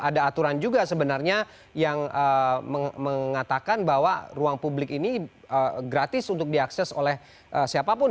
ada aturan juga sebenarnya yang mengatakan bahwa ruang publik ini gratis untuk diakses oleh siapapun